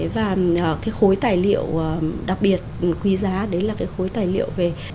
và cái khối tài liệu đặc biệt quý giá đấy là cái khối tài liệu về các công trình kiến trúc